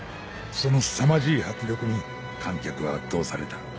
そのすさまじい迫力に観客は圧倒された。